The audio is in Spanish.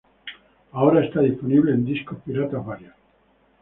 Ahora está disponible en discos piratas varios.